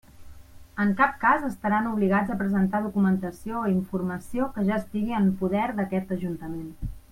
En cap cas estaran obligats a presentar documentació o informació que ja estigui en poder d'aquest Ajuntament.